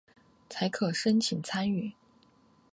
才可申请参加